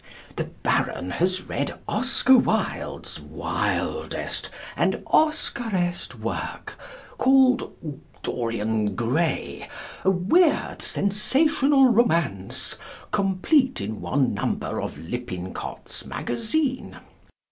The Baron has read Oscar Wilde's wildest and Oscarest work, called "Dorian Gray," a weird sensational romance, complete in one number of Lippincott's Magazine.